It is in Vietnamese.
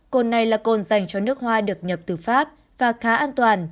cồn này là cồn dành cho nước hoa được nhập từ pháp và khá an toàn